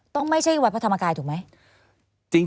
ไม่ใช่วัดพระธรรมกายถูกไหม